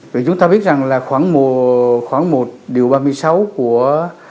vì chúng ta biết rằng là khoảng một điều ba mươi sáu của